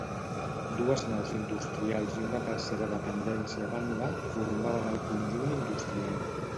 Dues naus industrials i una tercera dependència a banda formaven el conjunt industrial.